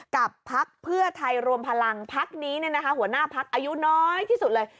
พักเพื่อไทยรวมพลังพักนี้หัวหน้าพักอายุน้อยที่สุดเลย